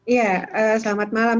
ya selamat malam